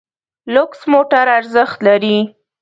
لوکس موټر ارزښت لري.